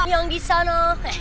yang di sana